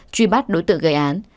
truy bắt đối tượng gây án